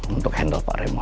untuk handle pak remon